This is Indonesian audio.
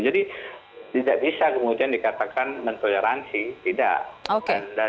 jadi tidak bisa kemudian dikatakan mentoleransi tidak